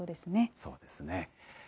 そうですね。